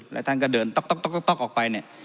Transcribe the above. และท่านก็เดินต๊อกออกไป